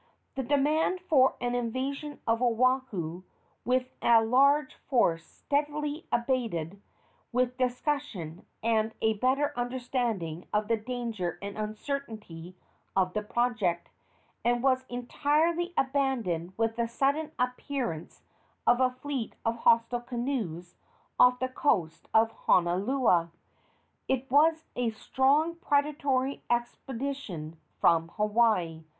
The demand for an invasion of Oahu with a large force steadily abated with discussion and a better understanding of the danger and uncertainty of the project, and was entirely abandoned with the sudden appearance of a fleet of hostile canoes off the coast of Honuaula. It was a strong predatory expedition from Hawaii.